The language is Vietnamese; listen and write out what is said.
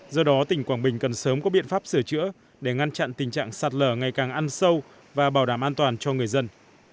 do đó tỉnh quảng bình cần sớm có biện pháp sửa chữa để ngăn chặn tình trạng sạt lở ngày càng ăn sâu và bảo đảm an toàn cho người dân